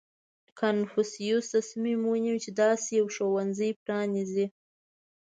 • کنفوسیوس تصمیم ونیو، چې داسې یو ښوونځی پرانېزي.